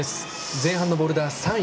前半のボルダー３位。